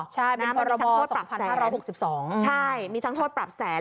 ใช่นะทั้งโทษปรับ๑๕๖๒ใช่มีทั้งโทษปรับแสน